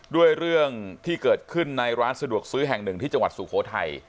เรื่องที่เกิดขึ้นในร้านสะดวกซื้อแห่งหนึ่งที่จังหวัดสุโขทัย